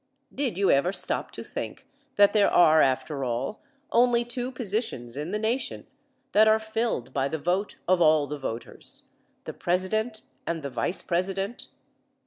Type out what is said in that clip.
Did you ever stop to think that there are, after all, only two positions in the nation that are filled by the vote of all of the voters the President and the Vice President?